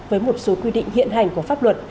với một số quy định hiện hành của pháp luật